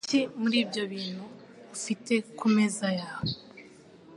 Niki muri ibyo bintu ufite kumeza yawe?